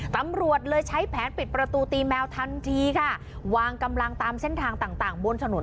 ตำรวจเลยใช้แผนปิดประตูตีแมวทันทีค่ะวางกำลังตามเส้นทางต่างต่างบนถนน